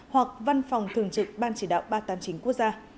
hoặc văn phòng thường trực ban chỉ đạo ba trăm tám mươi chín quốc gia